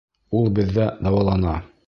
Ул беҙҙә дауалана.